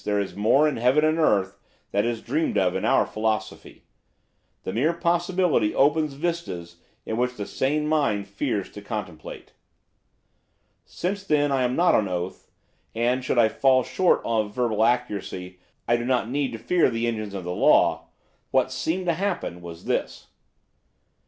there is more in heaven and earth than is dreamed of in our philosophy. The mere possibility opens vistas which the sane mind fears to contemplate. Since, then, I am not on oath, and, should I fall short of verbal accuracy, I do not need to fear the engines of the law, what seemed to happen was this.